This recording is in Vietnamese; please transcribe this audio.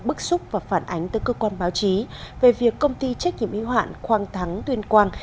bức xúc và phản ánh tới cơ quan báo chí về việc công ty trách nhiệm y hoạn quang thắng tuyên quang